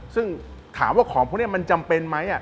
ซึ่งถามว่าของพวกนี้มันจำเป็นไหม